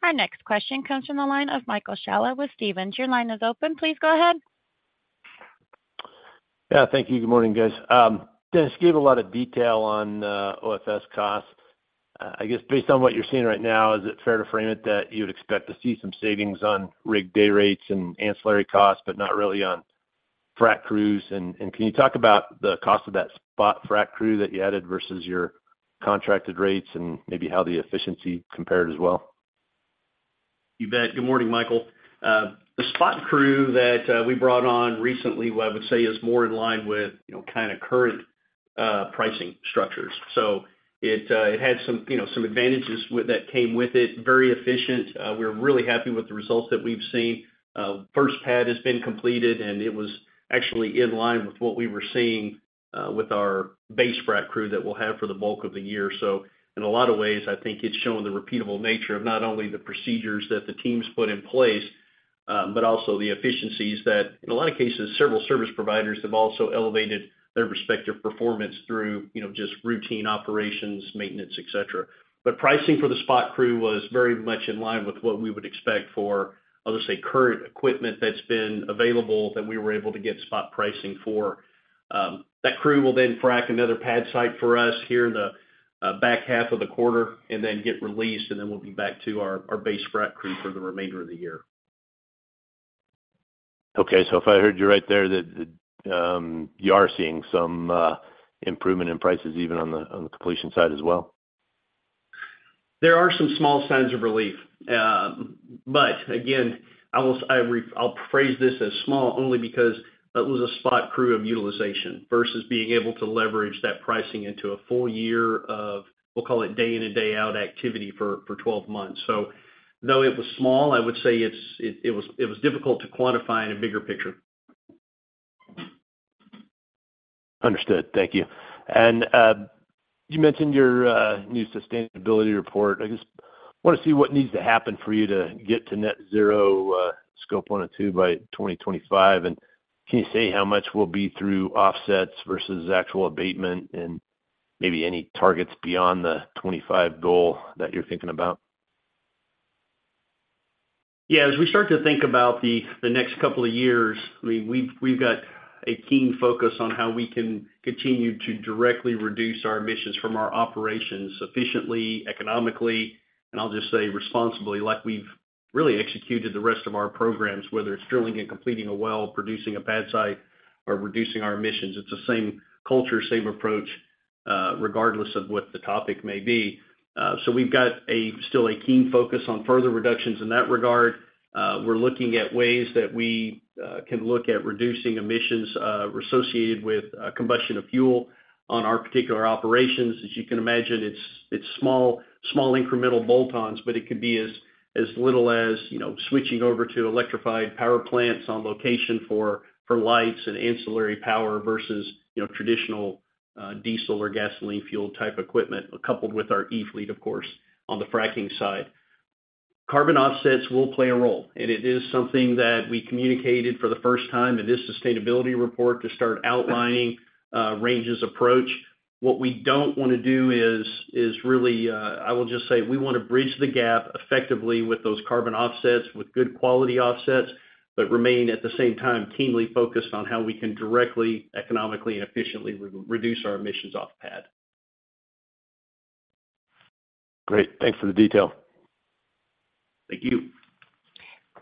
Our next question comes from the line of Michael Scialla with Stephens. Your line is open. Please go ahead. Yeah, thank you. Good morning, guys. Dennis, you gave a lot of detail on OFS costs. I guess based on what you're seeing right now, is it fair to frame it that you would expect to see some savings on rig day rates and ancillary costs, but not really on frac crews? Can you talk about the cost of that spot frac crew that you added versus your contracted rates and maybe how the efficiency compared as well? You bet. Good morning, Michael. The spot crew that we brought on recently, what I would say is more in line with, you know, kind of current pricing structures. It had some, you know, some advantages that came with it. Very efficient. We're really happy with the results that we've seen. First pad has been completed, and it was actually in line with what we were seeing with our base frac crew that we'll have for the bulk of the year. In a lot of ways, I think it's shown the repeatable nature of not only the procedures that the teams put in place, but also the efficiencies that, in a lot of cases, several service providers have also elevated their respective performance through, you know, just routine operations, maintenance, et cetera. Pricing for the spot crew was very much in line with what we would expect for, I'll just say, current equipment that's been available that we were able to get spot pricing for. That crew will then frack another pad site for us here in the back half of the quarter and then get released, and then we'll be back to our base frac crew for the remainder of the year. If I heard you right there, that, you are seeing some improvement in prices, even on the completion side as well? There are some small signs of relief. I will, I'll phrase this as small, only because that was a spot crew of utilization versus being able to leverage that pricing into a full year of, we'll call it, day in and day out activity for 12 months. Though it was small, I would say it was difficult to quantify in a bigger picture. Understood. Thank you. You mentioned your new Sustainability Report. I just wanna see what needs to happen for you to get to net zero, Scope 1 or 2 by 2025. Can you say how much will be through offsets versus actual abatement and maybe any targets beyond the 2025 goal that you're thinking about? As we start to think about the next couple of years, I mean, we've got a keen focus on how we can continue to directly reduce our emissions from our operations efficiently, economically, and I'll just say responsibly, like we've really executed the rest of our programs, whether it's drilling and completing a well, producing a pad site, or reducing our emissions. It's the same culture, same approach, regardless of what the topic may be. We've still got a keen focus on further reductions in that regard. We're looking at ways that we can look at reducing emissions associated with combustion of fuel on our particular operations. As you can imagine, it's small incremental bolt-ons, but it could be as little as, you know, switching over to electrified power plants on location for lights and ancillary power versus, you know, traditional diesel or gasoline fuel type equipment, coupled with our e-fleet, of course, on the fracking side. Carbon offsets will play a role, and it is something that we communicated for the first time in this sustainability report to start outlining Range's approach. What we don't want to do is really, I will just say, we want to bridge the gap effectively with those carbon offsets, with good quality offsets, but remain, at the same time, keenly focused on how we can directly, economically, and efficiently re-reduce our emissions off pad. Great. Thanks for the detail. Thank you.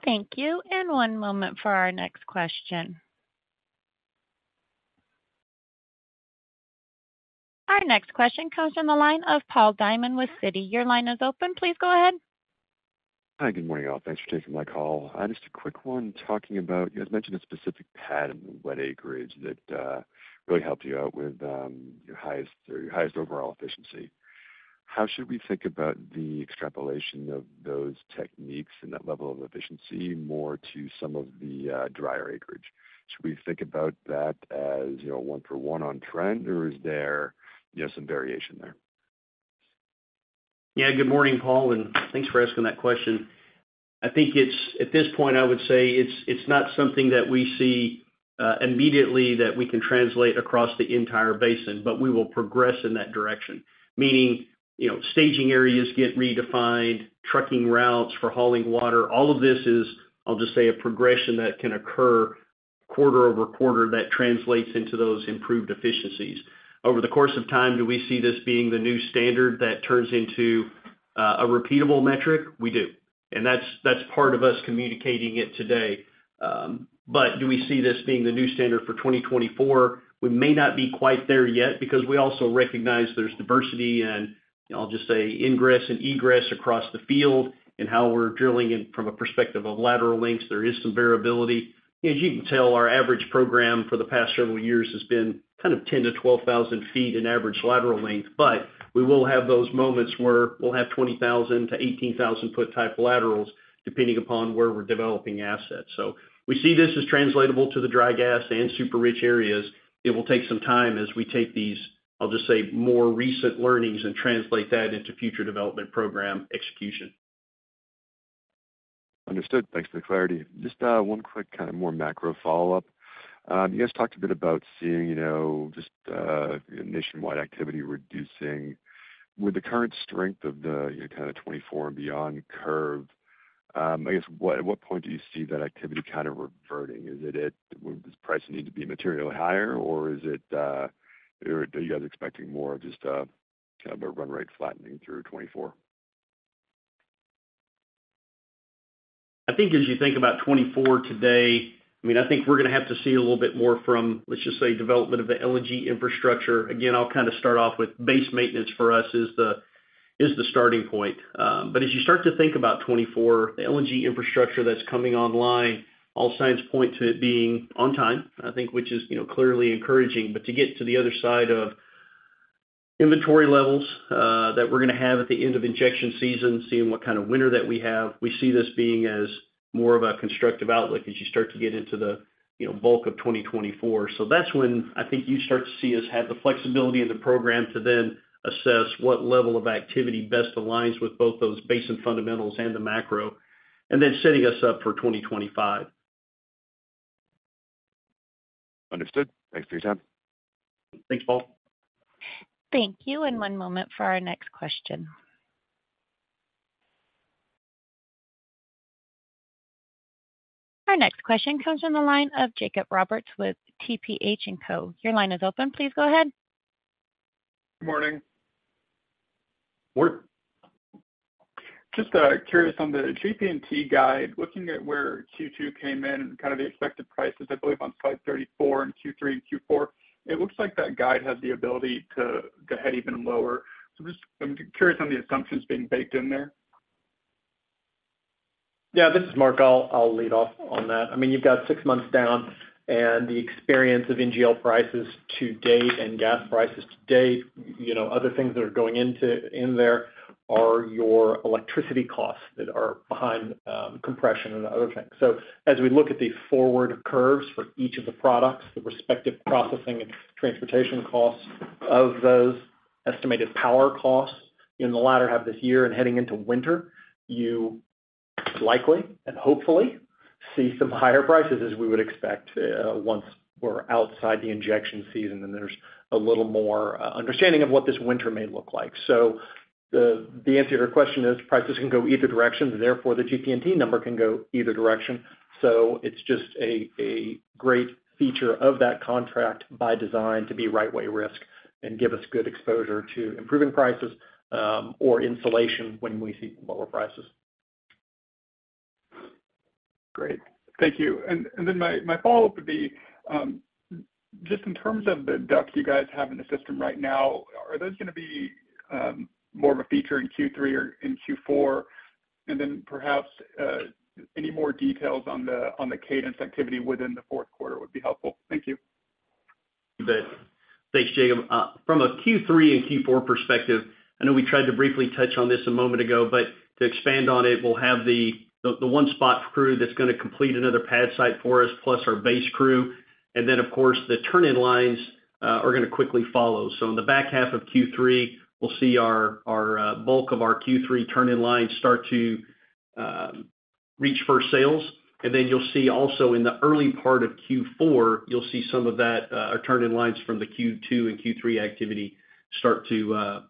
Thank you. One moment for our next question. Our next question comes from the line of Paul Diamond with Citi. Your line is open. Please go ahead. Hi, good morning, all. Thanks for taking my call. Just a quick one talking about, you guys mentioned a specific pad in wet acreage that really helped you out with your highest overall efficiency. How should we think about the extrapolation of those techniques and that level of efficiency, more to some of the drier acreage? Should we think about that as, you know, one for one on trend, or is there, you know, some variation there? Yeah, good morning, Paul, and thanks for asking that question. I think at this point, I would say it's not something that we see immediately that we can translate across the entire basin, but we will progress in that direction. Meaning, you know, staging areas get redefined, trucking routes for hauling water. All of this is, I'll just say, a progression that can occur quarter-over-quarter that translates into those improved efficiencies. Over the course of time, do we see this being the new standard that turns into a repeatable metric? We do. That's part of us communicating it today. Do we see this being the new standard for 2024? We may not be quite there yet because we also recognize there's diversity and, I'll just say, ingress and egress across the field and how we're drilling in from a perspective of lateral lengths. There is some variability. As you can tell, our average program for the past several years has been kind of 10,000-12,000 feet in average lateral length, but we will have those moments where we'll have 20,000-18,000 foot type laterals, depending upon where we're developing assets. We see this as translatable to the Dry Gas and Super-Rich areas. It will take some time as we take these, I'll just say, more recent learnings and translate that into future development program execution. Understood. Thanks for the clarity. Just one quick, kind of, more macro follow-up. You guys talked a bit about seeing, you know, just nationwide activity reducing. With the current strength of the, kind of, 2024 and beyond curve, I guess, at what point do you see that activity kind of reverting? Does price need to be materially higher, or is it, are you guys expecting more of just a, kind of, a run rate flattening through 2024? I think as you think about 2024 today, I mean, I think we're gonna have to see a little bit more from, let's just say, development of the LNG infrastructure. Again, I'll kind of start off with base maintenance for us is the starting point. As you start to think about 2024, the LNG infrastructure that's coming online, all signs point to it being on time, I think, which is, you know, clearly encouraging. To get to the other side of inventory levels that we're gonna have at the end of injection season, seeing what kind of winter that we have, we see this being as more of a constructive outlook as you start to get into the, you know, bulk of 2024. That's when I think you start to see us have the flexibility in the program to then assess what level of activity best aligns with both those basin fundamentals and the macro, and then setting us up for 2025. Understood. Thanks for your time. Thanks, Paul. Thank you, and one moment for our next question. Our next question comes from the line of Jacob Roberts with TPH&Co. Your line is open. Please go ahead. Good morning. Morning. Just curious on the GP&T guide. Looking at where Q2 came in and kind of the expected prices, I believe on slide 34 in Q3 and Q4, it looks like that guide has the ability to go ahead even lower. Just I'm curious on the assumptions being baked in there. Yeah, this is Mark. I'll lead off on that. I mean, you've got six months down, and the experience of NGL prices to date and gas prices to date, you know, other things that are going in there are your electricity costs that are behind compression and other things. As we look at the forward curves for each of the products, the respective processing and transportation costs of those estimated power costs in the latter half of this year and heading into winter, you likely and hopefully see some higher prices as we would expect, once we're outside the injection season, and there's a little more understanding of what this winter may look like. The answer to your question is, prices can go either direction, therefore, the GP&T number can go either direction. It's just a great feature of that contract by design to be right-way risk and give us good exposure to improving prices, or insulation when we see lower prices. Great. Thank you. Then my follow-up would be, just in terms of the DUCs you guys have in the system right now, are those gonna be more of a feature in Q3 or in Q4? Then perhaps, any more details on the cadence activity within the fourth quarter would be helpful. Thank you. Thanks, Jacob. From a Q3 and Q4 perspective, I know we tried to briefly touch on this a moment ago, but to expand on it, we'll have the one spot crew that's gonna complete another pad site for us, plus our base crew. Then, of course, the turn-in-lines are gonna quickly follow. In the back half of Q3, we'll see our bulk of our Q3 turn-in-lines start to reach first sales. Then you'll see also in the early part of Q4, you'll see some of that our turn-in-lines from the Q2 and Q3 activity start to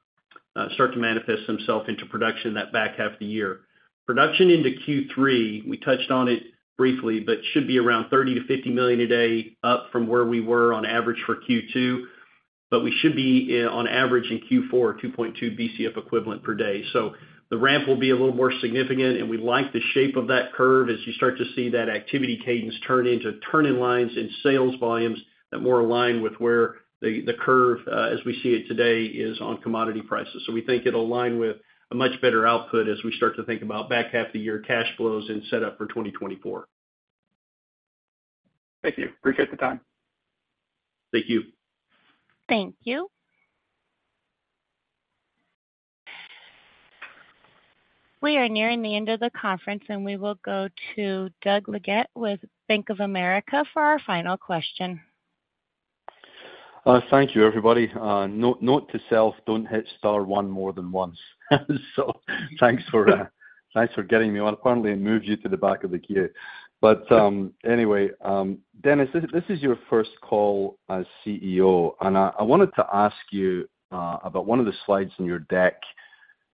manifest themselves into production that back half of the year. Production into Q3, we touched on it briefly, should be around 30 MMcf/d-50 MMcf/d, up from where we were on average for Q2. We should be on average in Q4, 2.2 Bcfe/d. The ramp will be a little more significant, and we like the shape of that curve as you start to see that activity cadence turn into turn-in-lines and sales volumes that more align with where the curve, as we see it today, is on commodity prices. We think it'll align with a much better output as we start to think about back half of the year cash flows and set up for 2024. Thank you. Appreciate the time. Thank you. Thank you. We are nearing the end of the conference, and we will go to Doug Leggate with Bank of America for our final question. Thank you, everybody. Note to self, don't hit star one more than once. Thanks for getting me on. Apparently, it moves you to the back of the queue. Anyway, Dennis, this is your first call as CEO, I wanted to ask you about one of the slides in your deck,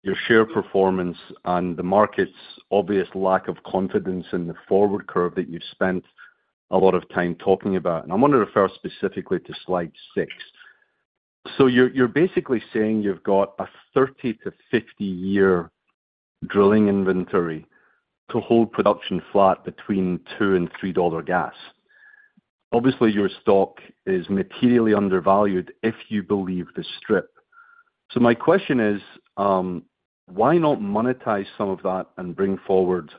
your share performance and the market's obvious lack of confidence in the forward curve that you've spent a lot of time talking about. I want to refer specifically to slide six. You're basically saying you've got a 30-50 year drilling inventory to hold production flat between $2 and $3 gas. Obviously, your stock is materially undervalued if you believe the strip. My question is, why not monetize some of that and bring forward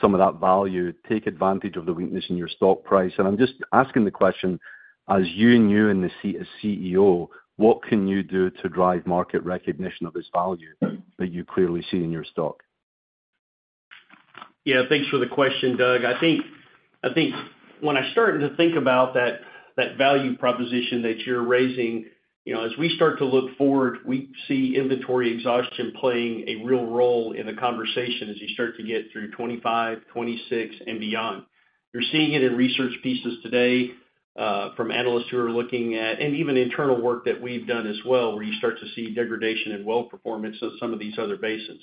some of that value, take advantage of the weakness in your stock price? I'm just asking the question, as you, as CEO, what can you do to drive market recognition of this value that you clearly see in your stock? Yeah, thanks for the question, Doug. I think when I started to think about that value proposition that you're raising, you know, as we start to look forward, we see inventory exhaustion playing a real role in the conversation as you start to get through 2025, 2026, and beyond. You're seeing it in research pieces today from analysts who are looking at. Even internal work that we've done as well, where you start to see degradation in well performance of some of these other basins.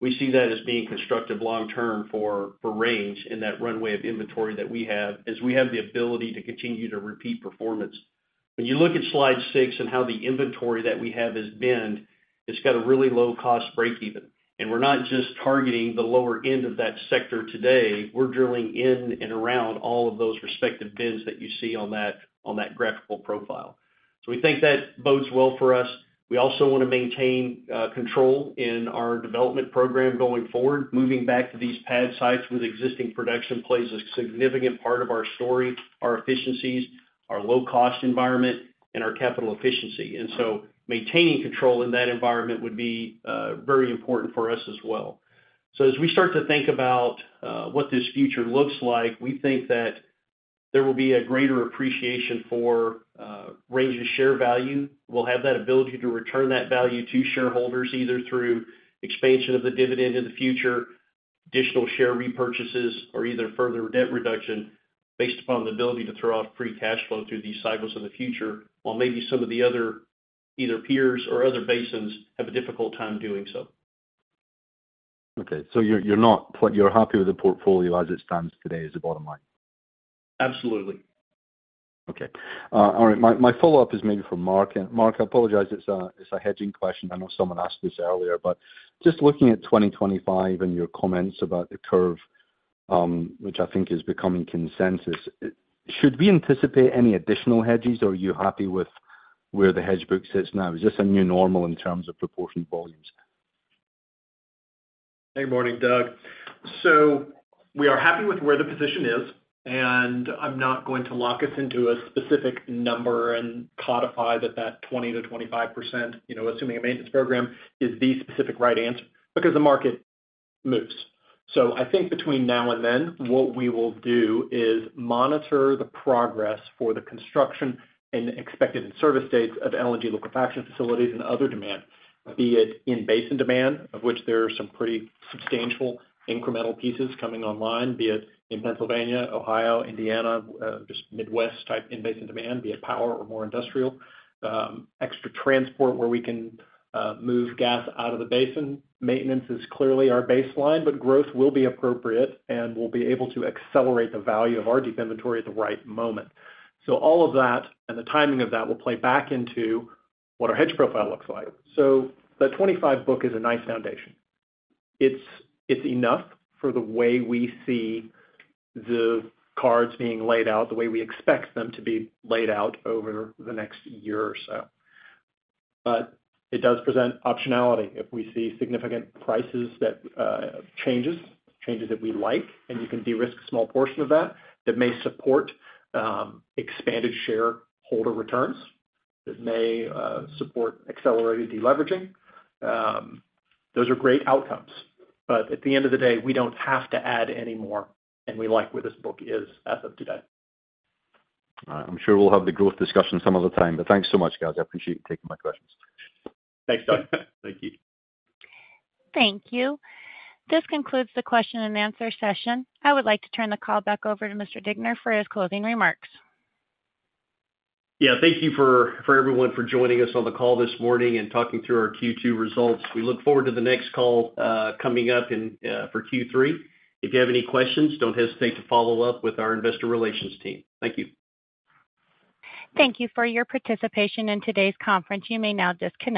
We see that as being constructive long term for Range and that runway of inventory that we have, as we have the ability to continue to repeat performance. When you look at slide six and how the inventory that we have is binned, it's got a really low cost breakeven. We're not just targeting the lower end of that sector today, we're drilling in and around all of those respective bins that you see on that, on that graphical profile. We think that bodes well for us. We also want to maintain control in our development program going forward. Moving back to these pad sites with existing production plays a significant part of our story, our efficiencies, our low-cost environment, and our capital efficiency. Maintaining control in that environment would be very important for us as well. As we start to think about what this future looks like, we think that there will be a greater appreciation for Range's share value. We'll have that ability to return that value to shareholders, either through expansion of the dividend in the future, additional share repurchases, or either further debt reduction based upon the ability to throw off free cash flow through these cycles in the future, while maybe some of the other, either peers or other basins, have a difficult time doing so. Okay, you're not, but you're happy with the portfolio as it stands today, is the bottom line? Absolutely. Okay. All right, my follow-up is maybe for Mark. Mark, I apologize, it's a hedging question. I know someone asked this earlier, just looking at 2025 and your comments about the curve, which I think is becoming consensus, should we anticipate any additional hedges, or are you happy with where the hedge book sits now? Is this a new normal in terms of proportion volumes? Morning, Doug. We are happy with where the position is. I'm not going to lock us into a specific number and codify that 20%-25%, you know, assuming a maintenance program, is the specific right answer, because the market moves. I think between now and then, what we will do is monitor the progress for the construction and expected in-service dates of LNG liquefaction facilities and other demand, be it in-basin demand, of which there are some pretty substantial incremental pieces coming online, be it in Pennsylvania, Ohio, Indiana, just Midwest-type in-basin demand, be it power or more industrial, extra transport where we can move gas out of the basin. Maintenance is clearly our baseline. Growth will be appropriate. We'll be able to accelerate the value of our deep inventory at the right moment. All of that and the timing of that will play back into what our hedge profile looks like. The 2025 hedge book is a nice foundation. It's, it's enough for the way we see the cards being laid out, the way we expect them to be laid out over the next year or so. It does present optionality. If we see significant prices that changes that we like, and you can de-risk a small portion of that may support expanded shareholder returns, that may support accelerated deleveraging. Those are great outcomes, at the end of the day, we don't have to add any more, and we like where this book is as of today. All right. I'm sure we'll have the growth discussion some other time, thanks so much, guys. I appreciate you taking my questions. Thanks, Doug. Thank you. Thank you. This concludes the question and answer session. I would like to turn the call back over to Mr. Degner for his closing remarks. Yeah, thank you for everyone for joining us on the call this morning and talking through our Q2 results. We look forward to the next call coming up for Q3. If you have any questions, don't hesitate to follow up with our investor relations team. Thank you. Thank you for your participation in today's conference. You may now disconnect.